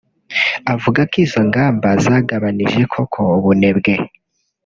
avuga ko izo ngamba zagabanije koko ubunebwe